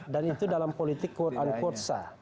dan itu dalam politik quote unquote sah